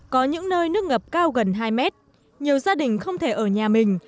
có những nơi nước ngập cao gần hai mét nhiều gia đình không thể ở nhà mình